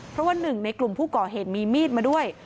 เพราะว่าหนึ่งในกลุ่มผู้ก่อเหตุมีมีดมาด้วย